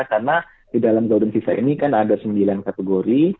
karena di dalam gaudeng visa ini kan ada sembilan kategori